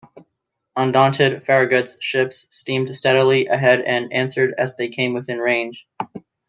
Undaunted Farragut's ships steamed steadily ahead and answered as they came within range.